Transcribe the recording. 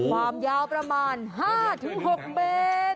ความยาวประมาณ๕ถึง๖เบต